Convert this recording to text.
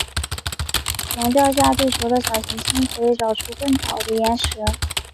从掉下地球的小行星可以找出更早的岩石。